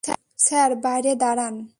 Sir, বাইরে দাড়ান।